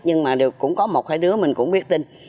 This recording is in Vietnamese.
nhưng mà cũng có một hai đứa mình cũng biết tin